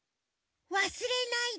「わすれないでね。